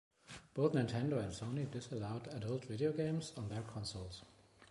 Both Nintendo and Sony disallowed adult video games on their consoles.